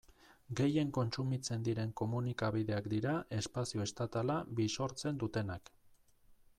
Gehien kontsumitzen diren komunikabideak dira espazio estatala bisortzen dutenak.